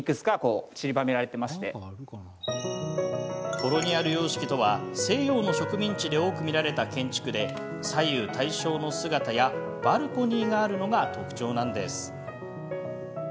コロニアル様式とは西洋の植民地で多く見られた建築で左右対称の姿やバルコニーがあるのが特徴です。